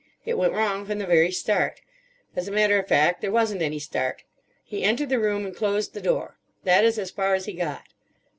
It went wrong from the very start. As a matter of fact there wasn't any start. He entered the room and closed the door. That is as far as he got.